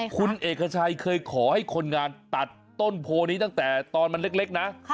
คุณเอกชัยเคยขอให้คนงานตัดต้นโพนี้ตั้งแต่ตอนมันเล็กนะ